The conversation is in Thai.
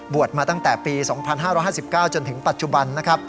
บวชมาตั้งแต่ปี๒๕๕๙จนถึงปัจจุบัน